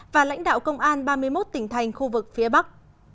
và lãnh đạo công an ba mươi một tỉnh thành khu vực phía bắc